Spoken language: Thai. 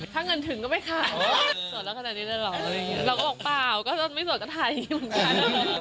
ถ้าเงินถึงก็ไม่ขายสดแล้วขนาดนี้ได้หรอเราก็บอกเปล่าก็ไม่สดก็ถ่ายอย่างนี้มันขายแล้ว